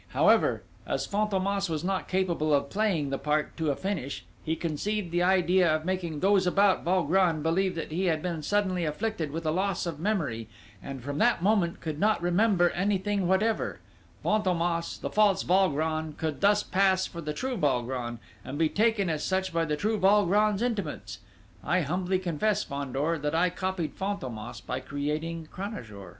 However, as Fantômas was not capable of playing the part to a finish, he conceived the idea of making those about Valgrand believe that he had been suddenly afflicted with loss of memory, and from that moment could not remember anything whatever: Fantômas, the false Valgrand, could thus pass for the true Valgrand, and be taken as such by the true Valgrand's intimates!... I humbly confess, Fandor, that I copied Fantômas by creating Cranajour...."